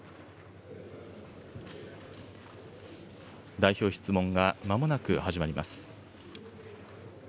代表質問がまもなく始まります。